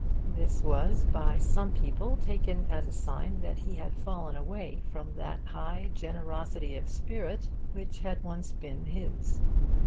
This was by some people taken as a sign that he had fallen away from that high generosity of spirit which had once been his.